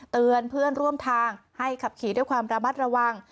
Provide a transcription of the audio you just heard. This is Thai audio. เตือนเพื่อนร่วมทางให้ขับขี่ด้วยความระมัดระวัง